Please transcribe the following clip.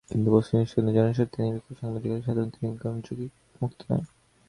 কিন্তু বস্তুনিষ্ঠতা এবং জনস্বার্থের নিরিখে সাংবাদিকতা সাধারণত নির্বিঘ্ন এবং ঝুঁকিমুক্ত নয়।